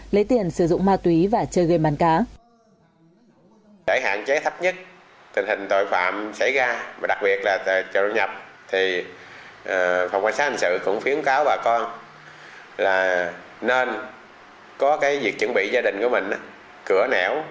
lấy tiền sử dụng ma túy và chơi gây bàn cá